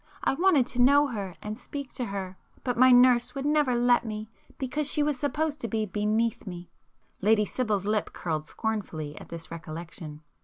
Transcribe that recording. I wanted to know her and speak to her, but my nurse would never let me because she was supposed to be 'beneath' me." Lady Sibyl's lip curled scornfully at this recollection.